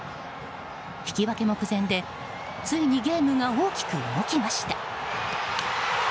引き分け目前で、ついにゲームが大きく動きました。